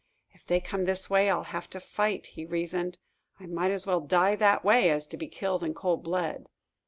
"If they come this way, I'll have to fight," he reasoned. "I might as well die that way, as to be killed in cold blood."